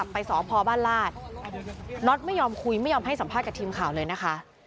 ไปสพบ้านลาศน็อตไม่ยอมคุยไม่ยอมให้สัมภาษณ์กับทีมข่าวเลยนะคะ